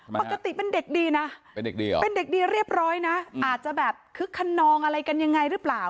ปกติเป็นเด็กดีน่ะเป็นเด็กดีหรอเป็นเด็กดีเรียบร้อยน่ะอาจจะแบบคึกคันนองอะไรกันยังไงรึเปล่า